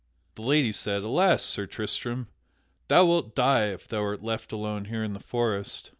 The lady said: "Alas, Sir Tristram, thou wilt die if thou art left alone here in the forest."